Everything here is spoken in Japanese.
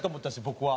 僕は。